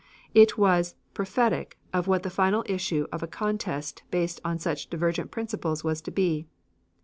It was prophetic of what the final issue of a contest based on such divergent principles was to be.